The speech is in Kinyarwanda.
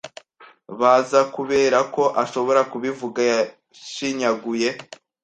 Baza kuberako ashobora kubivuga Yashinyaguye